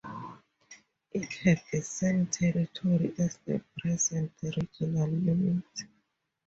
It had the same territory as the present regional unit.